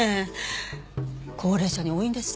高齢者に多いんですってね。